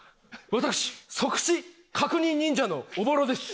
私即死確認忍者のおぼろです。